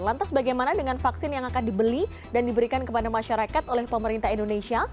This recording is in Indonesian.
lantas bagaimana dengan vaksin yang akan dibeli dan diberikan kepada masyarakat oleh pemerintah indonesia